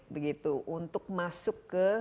begitu untuk masuk ke